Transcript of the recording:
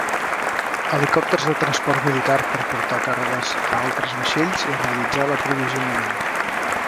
Helicòpters de transport militar per portar càrregues a altres vaixells i realitzar l'aprovisionament.